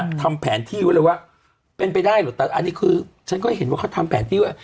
ทำแผนที่ไว้เลยว่าเป็นไปได้เหรอแต่อันนี้คือฉันก็เห็นว่าเขาทำแผนที่ว่า